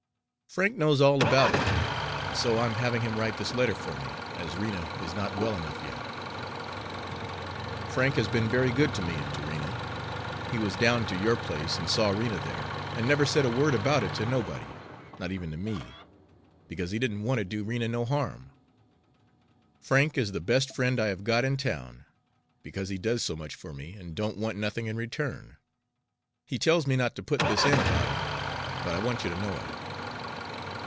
Frank knows all about it, and so I am having him write this letter for me, as Rena is not well enough yet. Frank has been very good to me and to Rena. He was down to your place and saw Rena there, and never said a word about it to nobody, not even to me, because he didn't want to do Rena no harm. Frank is the best friend I have got in town, because he does so much for me and don't want nothing in return. (He tells me not to put this in about him, but I want you to know it.)